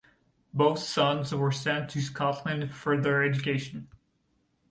Both sons were sent to Scotland for their education.